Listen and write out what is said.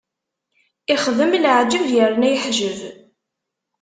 Ixdem laɛǧeb yerna yeḥjeb.